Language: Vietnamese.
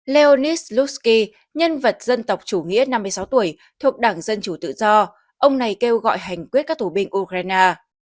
leonis lusky nhân vật dân tộc chủ nghĩa năm mươi sáu tuổi thuộc đảng dân chủ tự do ông này kêu gọi hành quyết các thủ binh ukraine